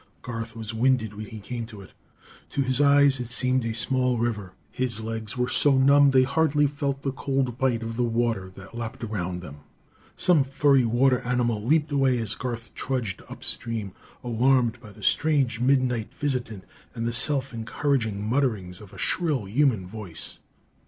Garth was winded when he came to it; to his eyes it seemed a small river. His legs were so numb they hardly felt the cold bite of the water that lapped around them. Some furry water animal leaped away as Garth trudged upstream, alarmed by the strange midnight visitant and the self encouraging mutterings of a shrill human voice....